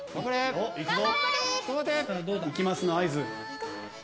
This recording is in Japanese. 頑張れ！いきますの合図。